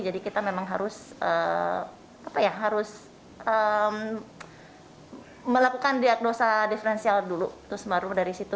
jadi kita memang harus apa ya harus melakukan diagnosa diferensial dulu terus baru dari situ